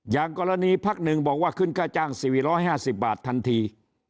อย่างกรณีพักหนึ่งบอกว่าขึ้นค่าจ้างสิบห้าร้อยห้าสิบบาททันที